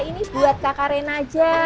ini buat kak karen aja